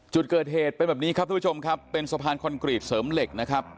จุดเกิดเหตุเป็นแบบนี้ครับทุกผู้ชมครับเป็นสะพานคอนกรีตเสริมเหล็กนะครับ